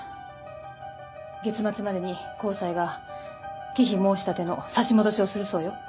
月末までに高裁が忌避申し立ての差し戻しをするそうよ。